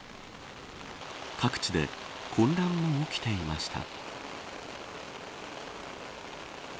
各地で混乱も起きていました。